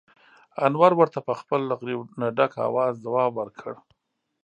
انور ورته په خپل له غريو نه ډک اواز ځواب ور کړ: